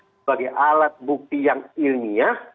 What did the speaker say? sebagai alat bukti yang ilmiah